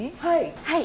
はい。